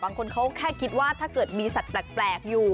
บางคนเขาแค่คิดว่าถ้าเกิดมีสัตว์แปลกอยู่